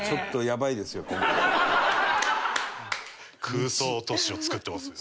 空想都市を作ってますよ。